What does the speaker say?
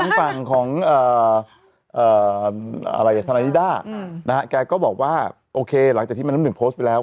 ฝั่งของทนายนิด้านะฮะแกก็บอกว่าโอเคหลังจากที่แม่น้ำหนึ่งโพสต์ไปแล้ว